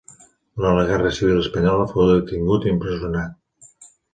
Durant la guerra civil espanyola fou detingut i empresonat.